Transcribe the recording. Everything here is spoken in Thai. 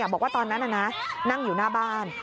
บอกว่าตอนนั้นนั่งอยู่หน้าบ้าน